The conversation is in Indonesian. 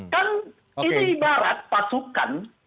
kan ini ibarat pasukan